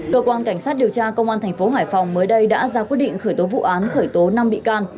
cơ quan cảnh sát điều tra công an thành phố hải phòng mới đây đã ra quyết định khởi tố vụ án khởi tố năm bị can